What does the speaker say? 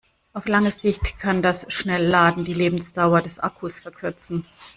Auf lange Sicht kann das Schnellladen die Lebensdauer des Akkus verkürzen.